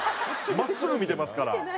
真っすぐ見てますから。